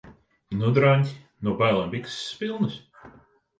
Nu, draņķi? No bailēm bikses pilnas?